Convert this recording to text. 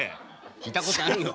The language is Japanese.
聞いたことあるよ。